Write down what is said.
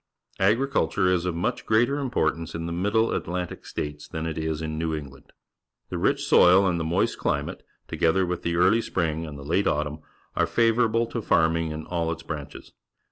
Agriculture is of much greater importance in the Middle Atlantic States than it is in New England. The rich soil and the moist climate, together with the early spring and the late autumn, are favourable to farming in all its branches.